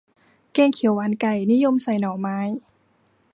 แกงเขียวหวานไก่ นิยมใส่หน่อไม้